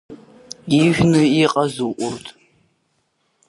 Ижәны иҟазу урҭ…